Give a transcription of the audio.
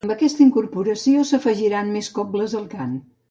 Amb aquesta incorporació s’afegiran més cobles al cant.